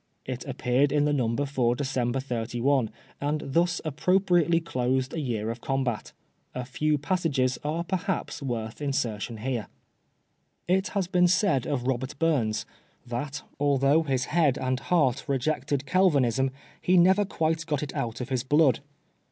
It appeared in the number for December 31, and thus appropriately closed a year of combat. A few passages are, perhaps, worth insertion here. It has been said of Bobert Buins that, although his head and 52 PBISONEB FOB BLASPHEMY. heart rejected Calvinism, he never quite got it out of his blood.